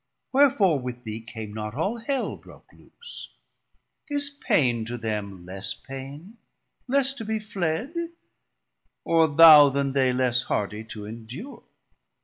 wherefore with thee Came not all Hell broke loose? is pain to them Less pain, less to be fled, or thou then they Less hardie to endure?